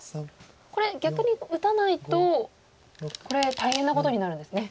これ逆に打たないとこれ大変なことになるんですね。